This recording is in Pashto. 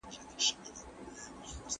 ابو عبيده د انصاف لاره غوره کړه.